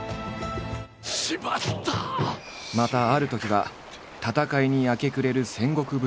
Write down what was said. またあるときは戦いに明け暮れる戦国武将。